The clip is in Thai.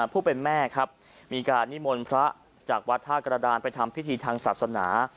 ผู้เป็นแม่ครับมีการนิมนต์พระจากวัดท่ากระดานไปทำพิธีทางศาสนา